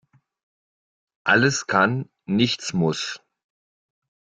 Alles kann, nichts muss.